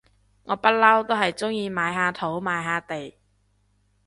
我不嬲都係中意買下土買下地